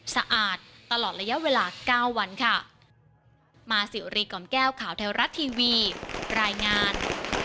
สะอาดตลอดระยะเวลาเก้าวันค่ะมาสิวรีกำแก้วข่าวแท้รัฐทีวีรายงาน